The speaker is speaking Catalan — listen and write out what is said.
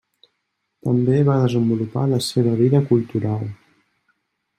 També va desenvolupar la seva vida cultural.